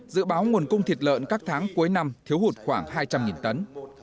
dự báo nguồn cung thịt lợn các tháng cuối năm thiếu hụt khoảng hai trăm linh tấn